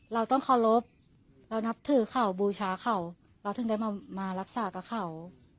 เราต้องเคารพเรานับถือเขาบูชาเขาเราถึงได้มารักษากับเขา